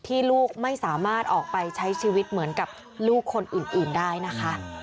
ลูกไม่สามารถออกไปใช้ชีวิตเหมือนกับลูกคนอื่นได้นะคะ